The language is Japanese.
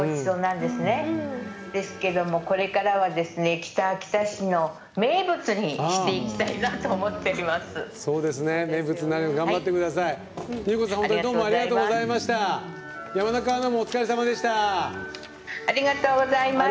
ですけども、これからは北秋田市の名物にしていきたいなと思っております。